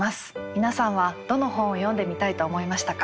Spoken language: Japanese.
皆さんはどの本を読んでみたいと思いましたか？